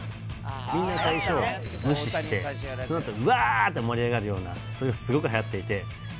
みんな最初無視してそのあとワーッて盛り上がるようなそれがすごく流行っていて。